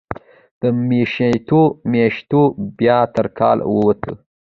د میاشتو، میاشتو بیا تر کال ووته